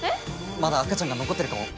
まだ赤ちゃんが残ってるかも。